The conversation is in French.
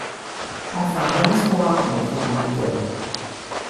Enfin, jamais ce qu'on raconte, répondit-elle.